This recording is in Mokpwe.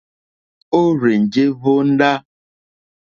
Ó rzènjé hvóndá.